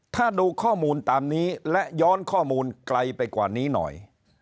ถ้าดูข้อมูลตามนี้และย้อนข้อมูลไกลไปกว่านี้หน่อย